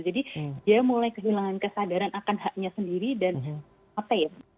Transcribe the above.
jadi dia mulai kehilangan kesadaran akan haknya sendiri dan apa ya